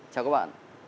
chào các bạn